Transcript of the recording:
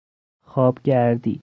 خواب گردی